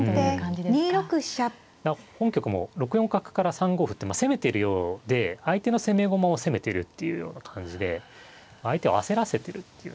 本局も６四角から３五歩って攻めてるようで相手の攻め駒を責めてるっていうような感じで相手を焦らせてるっていうんですかね。